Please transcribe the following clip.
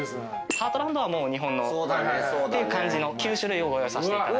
ハートランドはもう日本の。っていう感じの９種類をご用意させていただいてます。